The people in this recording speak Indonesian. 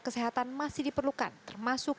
kesehatan masih diperlukan termasuk